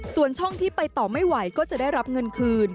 ส่วนช่องที่ไปต่อไม่ไหวก็จะได้รับเงินคืน